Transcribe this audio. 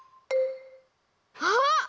あっ！